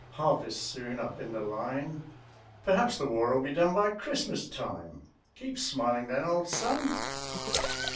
Harvest soon Up in the Line. "Perhaps the War 'll be done _By Christmas time. Keep smiling then, old son!